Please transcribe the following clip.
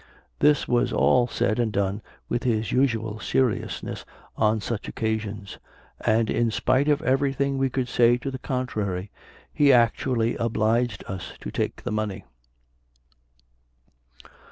This was all said and done with his usual seriousness on such occasions; and in spite of every thing we could say to the contrary, he actually obliged us to take the money."